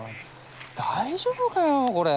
大丈夫かよこれ。